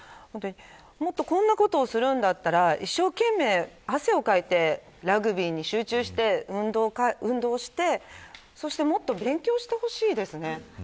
もっと、こんなことをするんだったら、一生懸命汗をかいてラグビーに集中して運動してそして、もっと勉強してほしいですね。